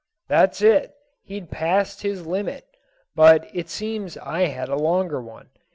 "That's it; he'd passed his limit. But it seems I had a longer one.